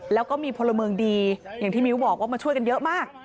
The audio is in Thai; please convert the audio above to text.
แล้วก็มีพลเมืองดีอย่างที่มิ้วบอกว่ามาช่วยกันเยอะมาก